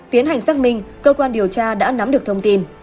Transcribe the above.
tiến hành xác minh cơ quan điều tra đã nắm được thông tin